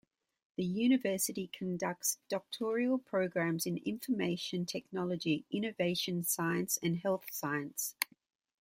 The university conducts doctoral programmes in Information Technology, Innovation Science and Health Science.